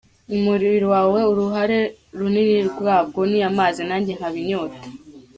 umubiri wawe % byawo ni amazi najye nkaba inyota.